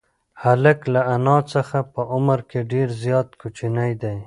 هلک له انا څخه په عمر کې ډېر زیات کوچنی دی.